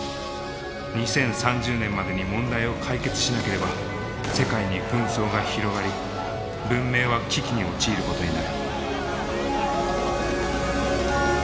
２０３０年までに問題を解決しなければ世界に紛争が広がり文明は危機に陥ることになる。